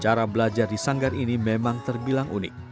cara belajar di sanggar ini memang terbilang unik